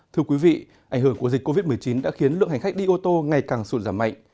thưa quý vị ảnh hưởng của dịch covid một mươi chín đã khiến lượng hành khách đi ô tô ngày càng sụt giảm mạnh